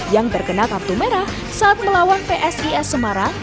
yang terkena kartu merah saat melawan psis semarang